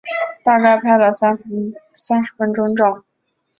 大概拍了三十分钟照